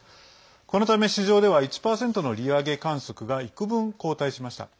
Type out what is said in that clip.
このため、市場では１％の利上げ観測がいくぶん後退しました。